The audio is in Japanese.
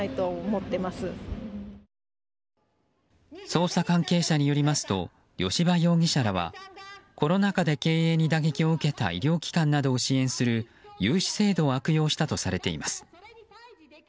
捜査関係者によりますと吉羽容疑者らはコロナ禍で経営に打撃を受けた医療機関などを支援する融資制度を悪用したとされています。